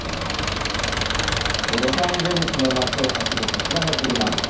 ロサンゼルスの街を走るこちらの車。